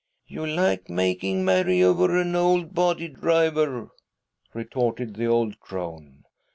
" You like making merry over an old body, driver," retorted the old crone.